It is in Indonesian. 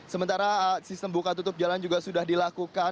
sementara sistem buka tutup jalan juga sudah dilakukan